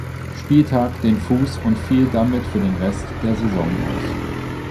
Spieltag den Fuß und fiel damit für den Rest der Saison aus.